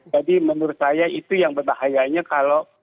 menurut saya itu yang berbahayanya kalau